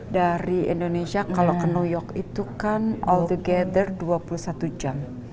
dari indonesia kalau ke new york itu kan all the gather dua puluh satu jam